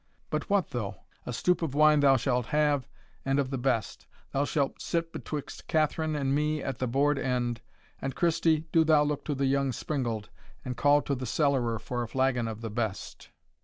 But what though? a stoup of wine thou shalt have, and of the best thou shalt sit betwixt Catherine and me at the board end. And, Christie, do thou look to the young springald, and call to the cellarer for a flagon of the best."